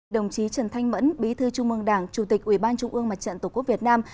đồng chí trần thanh mẫn bí thư trung mương đảng chủ tịch ubnd tổ quốc việt nam